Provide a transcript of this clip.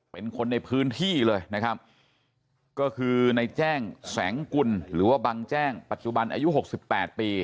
เป็นคนในพื้นที่เลยนะครับก็คือในแจ้งแสงกุลหรือว่าบังแจ้งปัจจุบันอายุหกสิบแปดปี